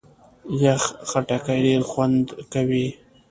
یخ خټکی ډېر خوند کوي.